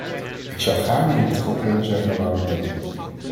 Ik zou gaarne in het kort willen zeggen waarom ik dat doe.